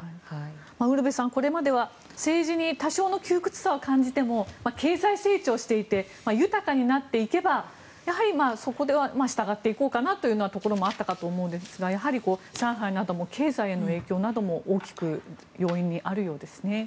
ウルヴェさん、これまでは政治に多少の窮屈さは感じても経済成長していて豊かになっていけばやはり、じゃあ従っていこうかなというところがあったと思うんですがやはり上海なども経済への影響などが大きく要因にあるようですね。